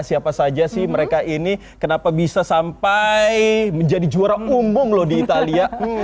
siapa saja sih mereka ini kenapa bisa sampai menjadi juara umum loh di italia